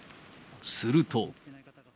すると。